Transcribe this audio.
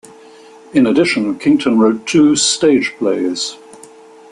In addition, Kington wrote two stage plays.